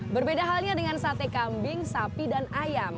berbeda halnya dengan sate kambing sapi dan ayam